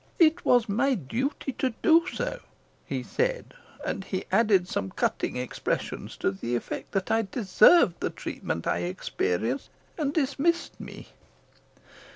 'It was my duty to do so,' he said, and he added some cutting expressions to the effect that I deserved the treatment I experienced, and dismissed me.